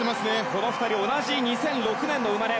この２人同じ２００６年の生まれ。